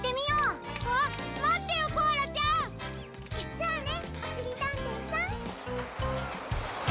じゃあねおしりたんていさん。